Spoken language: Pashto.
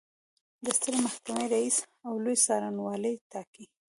د سترې محکمې رئیس او لوی څارنوال ټاکي.